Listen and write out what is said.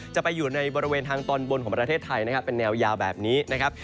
จะไปอยู่ในบริเวณทางตอนบนของประเทศไทยนะครับเป็นแนวยาวแบบนี้นะครับ